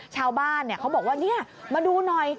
ชาวบ้านเขาบอกว่านี่มาดูหน่อย